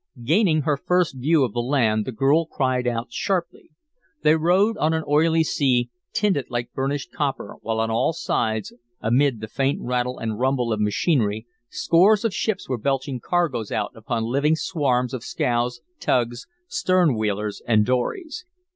Gaining her first view of the land, the girl cried out, sharply. They rode on an oily sea, tinted like burnished copper, while on all sides, amid the faint rattle and rumble of machinery, scores of ships were belching cargoes out upon living swarms of scows, tugs, stern wheelers, and dories.